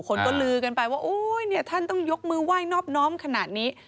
คนก็ลือกันไปว่าโอ๊ยเนี่ยท่านต้องยกมือไหว้นอบน้อมขนาดนี้